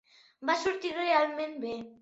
Va sortir realment bé.